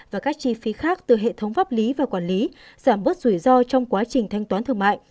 và các chi phí khác từ hệ thống pháp lý và quản lý giảm bớt rủi ro trong quá trình thanh toán thương mại